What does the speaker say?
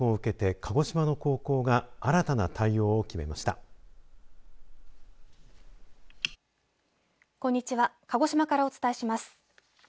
鹿児島からお伝えします。